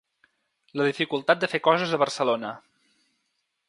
La dificultat de fer coses a Barcelona.